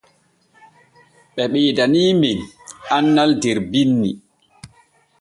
Ɓe ɓeedaniimen annal der binni.